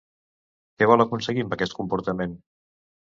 Què vol aconseguir amb aquest comportament?